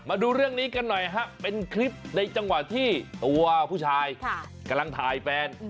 มาดูเรื่องนี้กันหน่อยฮะเป็นคลิปในจังหวะที่ตัวผู้ชายกำลังถ่ายแฟน